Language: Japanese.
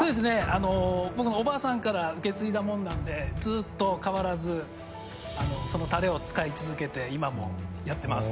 あの僕のおばあさんから受け継いだもんなんでずっと変わらずあのそのタレを使い続けて今もやってます。